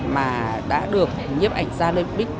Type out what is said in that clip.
mà đã được nhếp ảnh gia lê bích